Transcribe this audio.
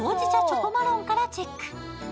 チョコマロンからチェック。